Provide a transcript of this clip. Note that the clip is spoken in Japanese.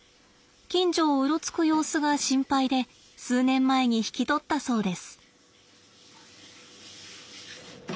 近所をうろつく様子が心配で数年前に引き取ったそうです。